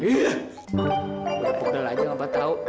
gila aja ngapa tau